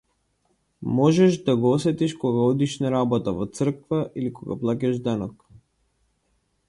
Можеш да го осетиш кога одиш на работа, во црква или кога плаќаш данок.